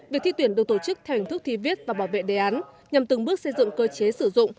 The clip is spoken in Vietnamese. việc thi tuyển được tổ chức theo hình thức thi viết và bảo vệ đề án nhằm từng bước xây dựng cơ chế sử dụng